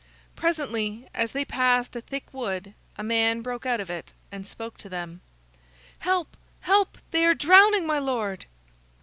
Presently, as they passed a thick wood, a man broke out of it and spoke to them: "Help! help! they are drowning my lord!"